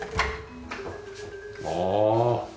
ああ。